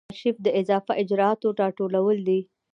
آرشیف د اضافه اجرااتو راټولول دي.